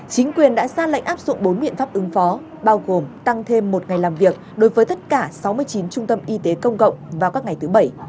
chính quyền đã ra lệnh áp dụng bốn biện pháp ứng phó bao gồm tăng thêm một ngày làm việc đối với tất cả sáu mươi chín trung tâm y tế công cộng vào các ngày thứ bảy